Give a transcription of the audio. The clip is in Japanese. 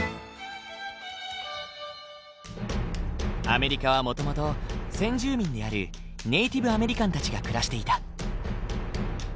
アメリカはもともと先住民であるネイティブ・アメリカンたちが暮らしていた。